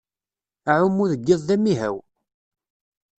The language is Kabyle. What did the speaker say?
Aɛummu deg iḍ d amihaw.